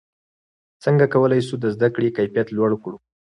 څنګه کولای سو د زده کړې کیفیت لوړ کړو؟